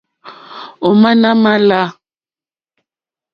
Ò má nà mà lá.